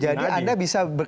jadi anda bisa